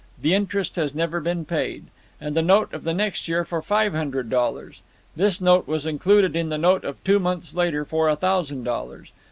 The interest has never been paid. And the note of the next year for five hundred dollars. This note was included in the note of two months later for a thousand dollars.